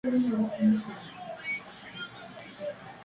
Estos primeros discos los editó con el nombre de Marian Albero.